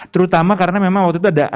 terutama karena memang waktu itu ada